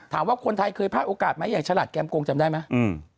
ถามว่าคนไทยเคยพลาดโอกาสไหมอย่างฉลาดแก้มโกงจำได้ไหม